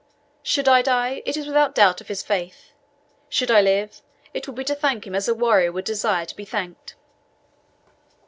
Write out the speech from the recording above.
Should I die, it is without doubt of his faith; should I live, it will be to thank him as a warrior would desire to be thanked."